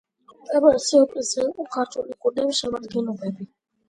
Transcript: პირველი სიურპრიზი იყო ქართული გუნდების შემადგენლობები.